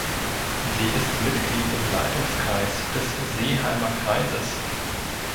Sie ist Mitglied im Leitungskreis des Seeheimer Kreises.